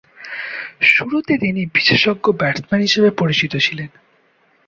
শুরুতে তিনি বিশেষজ্ঞ ব্যাটসম্যান হিসেবে পরিচিত ছিলেন।